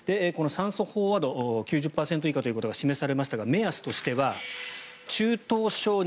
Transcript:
この酸素飽和度９０％以下ということが示されましたが目安としては中等症